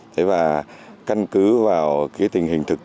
thế và căn cứ vào cái tình hình thực tế